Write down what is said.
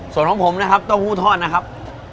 ส่วนของผมนะครับเต้าหู้ทอดนะครับ